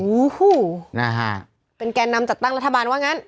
โอ้โหนะฮะเป็นแก่นำจัดตั้งรัฐบาลว่างั้น